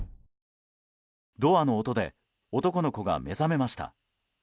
ドアの音で男の子が目覚めました。